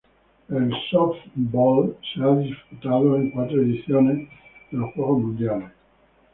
El sóftbol se ha disputado en cuatro ediciones de los Juegos Mundiales.